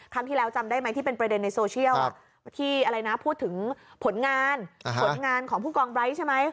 ที่แล้วจำได้ไหมที่เป็นประเด็นในโซเชียลที่อะไรนะพูดถึงผลงานผลงานของผู้กองไร้ใช่ไหม